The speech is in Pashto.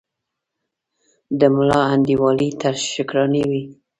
د ملا انډیوالي تر شکرانې وي